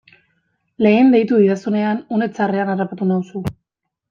Lehen deitu didazunean une txarrean harrapatu nauzu.